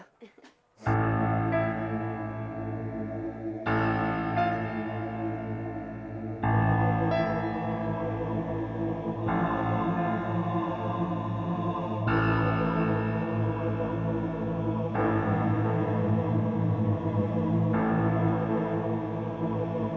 kita semua akan dibawa ker nighttime